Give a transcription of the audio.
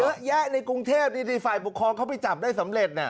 เยอะแยะในกรุงเทพนี่ฝ่ายปกครองเขาไปจับได้สำเร็จน่ะ